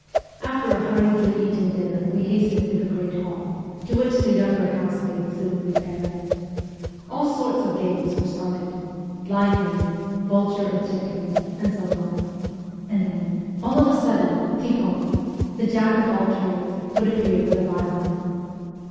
After a hurriedly eaten dinner we hastened to the great hall, to which the younger housemaids soon repaired. All sorts of games were started blind man, vulture and chickens, and so on ; and then, all of a sudden, Tikhon, the Jack of all trades, would appear with a violin.